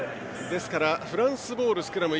ですからフランスボールのスクラム。